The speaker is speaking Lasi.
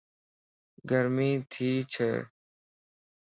گرمي تي ڇَ